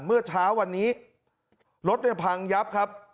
เมื่อเช้าวันนี้รถเนี่ยพังยับครับ